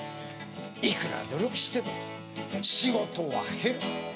いくら努力してても仕事は減る。